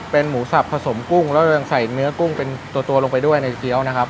เป็นหมูสับผสมกุ้งแล้วยังใส่เนื้อกุ้งเป็นตัวลงไปด้วยในเกี้ยวนะครับ